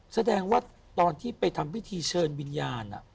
แสดงว่าตอนที่ไปทำพิธีเชิญวิญญาณ